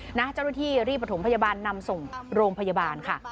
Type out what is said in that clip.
เจ้าหน้าที่รีบประถมพยาบาลนำส่งโรงพยาบาลค่ะ